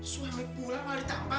suami pulang hari tambah